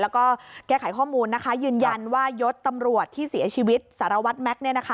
แล้วก็แก้ไขข้อมูลนะคะยืนยันว่ายศตำรวจที่เสียชีวิตสารวัตรแม็กซ์